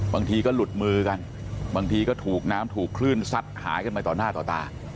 บางทีก็หลุดมือกันบางทีก็ถูกน้ำถูกคลื่นซัดหายกันไปต่อหน้าต่อตา